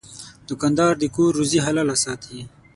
دوکاندار د کور روزي حلاله ساتي.